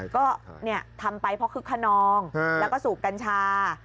ก็ทำไปเพราะคึกขนองแล้วก็สูบกัญชา